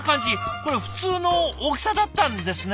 これ普通の大きさだったんですね。